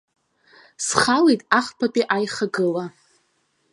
Схалеит ахԥатәи аихагыла.